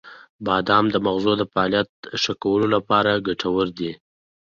• بادام د مغزو د فعالیت ښه کولو لپاره ګټور دی.